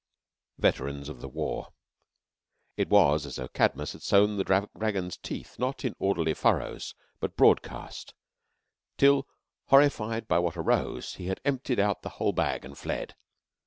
VETERANS OF THE WAR It was as though Cadmus had sown the dragon's teeth, not in orderly furrows but broadcast, till, horrified by what arose, he had emptied out the whole bag and fled.